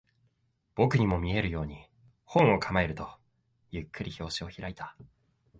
僕にも見えるように、本を構えると、ゆっくり表紙を開いた